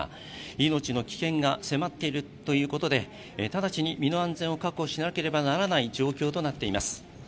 命の危険が迫っているということで直ちに身の安全を確保しなければならない状況となっています。